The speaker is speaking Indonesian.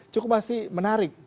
cukup masih menarik